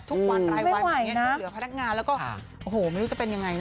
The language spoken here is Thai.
ทุกวันไรวายเหลือพนักงานแล้วก็โอ้โหไม่รู้จะเป็นอย่างไรนะ